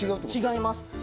違います